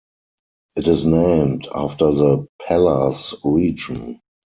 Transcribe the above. It is named after the Pallars region.